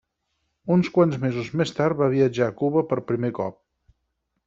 Uns quants mesos més tard va viatjar a Cuba per primer cop.